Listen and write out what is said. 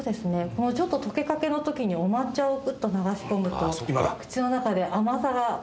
もうちょっと溶けかけの時にお抹茶をグッと流し込むと口の中で甘さが広がってとっても美味しいです。